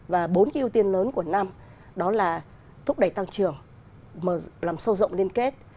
và bốn cái ưu tiên lớn của năm đó là thúc đẩy tăng trưởng làm sâu rộng liên kết